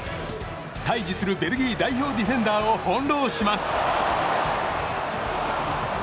対峙するベルギー代表ディフェンダーを翻弄します。